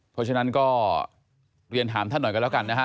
เพราะฉะนั้นก็เรียนถามท่านหน่อยกันแล้วกันนะฮะ